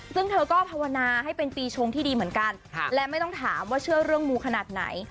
ซึ่งเธอก็ภาวนาให้เป็นปีชงที่ดีเหมือนกันและไม่ต้องถามว่าเชื่อเรื่องมูขนาดไหน